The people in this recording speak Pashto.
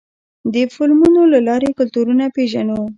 د فلمونو له لارې کلتورونه پېژنو.